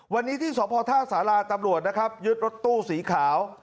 วันนี้ที่สพท่าสาราตำรวจนะครับยึดรถตู้สีขาว